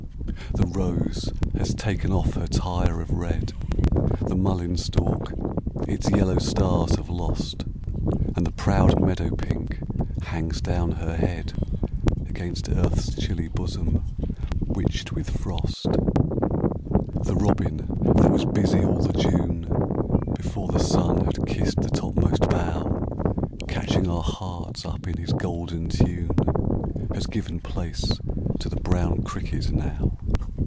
The rose has taken off her tire of red — The mullein stalk its yellow stars have lost, And the proud meadow pink hangs down her head Against earth's chilly bosom, witched with frost. Digitized by VjOOQIC 206 THE POEMS OF ALICE CARY. The robin, that was busy all the June, Before the sun had kissed the top most bough, Catching our hearts up in his golden tune, Has given place to the brown cricket now.